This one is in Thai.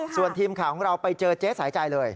ส่วนทีมข่าวของเราไปเจอเจ๊สายใจเลย